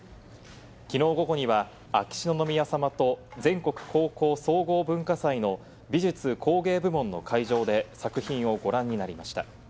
きのう午後には秋篠宮さまと全国高校総合文化祭の美術・工芸部門の会場で作品をご覧になりました。